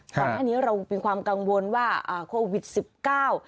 ครับตอนนี้เราเป็นความกังวลว่าอ่าโควิดสิบเก้า